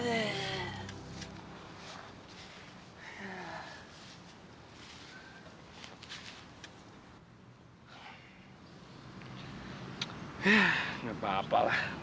eh gapapa lah